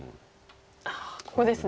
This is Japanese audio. ああここですね。